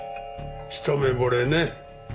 一目惚れね。